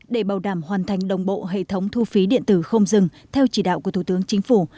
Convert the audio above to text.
để bảo đảm hoàn thành đồng bộ hệ thống thu phí điện tử không dừng theo chỉ đạo của thủ tướng chính phủ